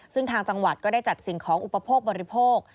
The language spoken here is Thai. ซึ่งทางจังหวัดก็ได้จัดสิ่งของอุปโภคบริโภค